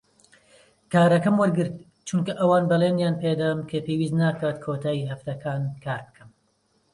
کارەکەم وەرگرت چونکە ئەوان بەڵێنیان پێ دام کە پێویست ناکات کۆتایی هەفتەکان کار بکەم.